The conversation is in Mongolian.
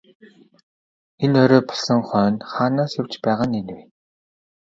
Энэ орой болсон хойно хаанаас явж байгаа нь энэ вэ?